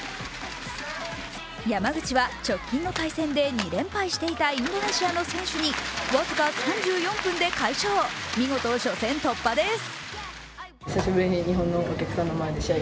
山口は直近の対戦で２連敗していたインドネシアの選手に僅か３４分で快勝、見事初戦突破です。